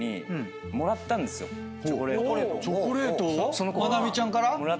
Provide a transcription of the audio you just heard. チョコレートを⁉まなみちゃんから？